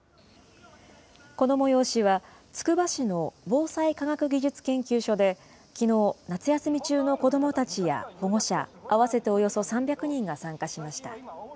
この催しは、つくば市の防災科学技術研究所できのう、夏休み中の子どもたちや、保護者合わせておよそ３００人が参加しました。